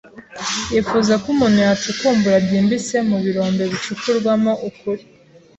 Yifuza ko umuntu yacukumbura byimbitse mu birombe bicukurwamo ukuri,